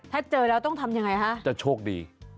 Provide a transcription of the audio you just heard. ถ้าเจอแล้วต้องทำยังไงฮะจะโชคดี